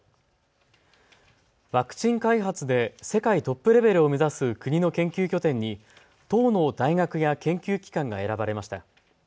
ワクチン開発で世界トップレベルを目指す国の研究拠点に１０の大学や研究機関が選ばれました。